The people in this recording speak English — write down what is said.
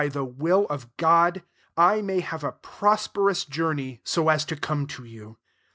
the will of God, I may have a prosperous journey, so as to come to you.